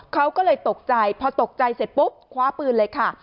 เขาก็เลยตกใจพอตกใจเสร็จปุ๊บคว้าปืนเลยค่ะ